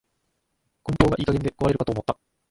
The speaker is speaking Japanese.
梱包がいい加減で壊れるかと思った